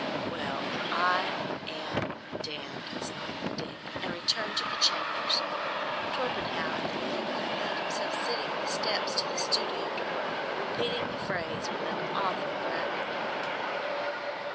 "Well—I—am—damned!" exclaimed Dick, and returned to the chambers. Torpenhow and the Nilghai found him sitting on the steps to the studio door, repeating the phrase with an awful gravity.